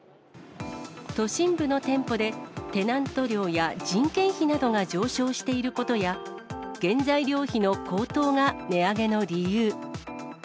都心部の店舗で、テナント料や人件費などが上昇していることや、原材料費の高騰が値上げの理由。